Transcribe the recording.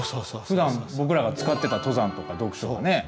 ふだん僕らが使ってた「登山」とか「読書」がね。